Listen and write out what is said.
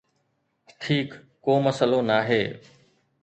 ٺيڪ، ڪو مسئلو ناهي